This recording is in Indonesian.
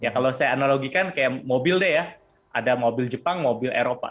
kalau saya analogikan kayak mobil deh ya ada mobil jepang mobil eropa